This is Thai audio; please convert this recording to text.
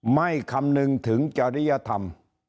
ไม่คำนึงถึงกัรียธรรม